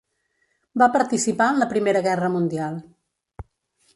Va participar en la Primera Guerra Mundial.